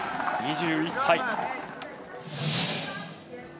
２１歳。